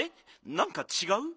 なんかちがう？